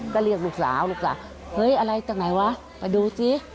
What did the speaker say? ก็เรียกลูกสาวลูกสาวเฮ้ยอะไรจากไหนวะไปดูสิ